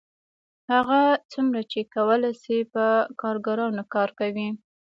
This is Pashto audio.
هغه څومره چې کولی شي په کارګرانو کار کوي